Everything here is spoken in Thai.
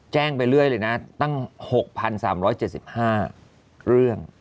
แจ้งไปเรื่อยเลยนะตั้ง๖๓๗๕เรื่อง